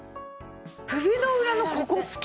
首の裏のここ好き